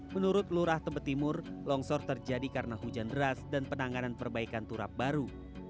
menurut lurah tebet timur longsor terjadi karena hujan deras dan penanganan perbaikan turap baru